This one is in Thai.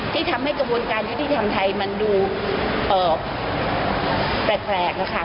ที่ทำให้กระบวนการยุติธรรมไทยมันดูแปลกนะคะ